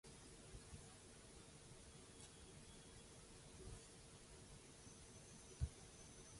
The Palestinian village Sar'a was located in the presumed location of the ancient town.